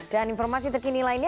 dan informasi terkini lainnya